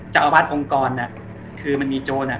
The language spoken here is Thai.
เจ้าอาวาสองกรเนี่ยคือมันมีโจรเนี่ย